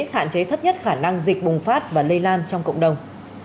hạn chế thấp nhất khả năng dịch bùng phát và lây lan trong cộng đồng